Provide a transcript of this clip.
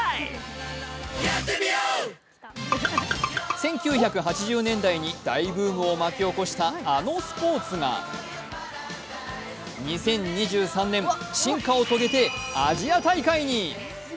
１９８０年代に大ブームを巻き起こしたあのスポーツが、２０２３年、進化を遂げてアジア大会に。